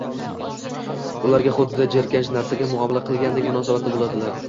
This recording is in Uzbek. ularga xuddi jirkanch narsaga muomala qilgandek munosabatda bo‘ladilar.